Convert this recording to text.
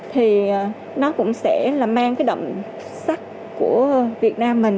thì nó cũng sẽ mang cái động sắc của việt nam mình